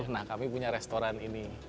nah kami punya restoran ini